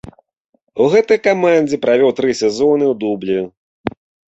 У гэтай камандзе правёў тры сезоны ў дублі.